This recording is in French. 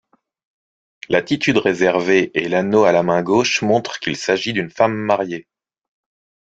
L'attitude réservée et l'anneau à la main gauche montrent qu'il s'agit d'une femme mariée.